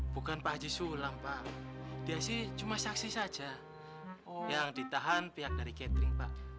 bukan pak haji sulang pak dia sih cuma saksi saja yang ditahan pihak dari catering pak